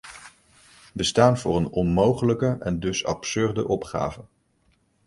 We staan voor een onmogelijke en dus absurde opgave.